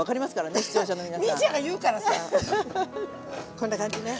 こんな感じね。